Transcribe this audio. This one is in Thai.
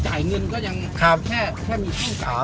จ่ายเงินก็ยังแค่มีช่อง๓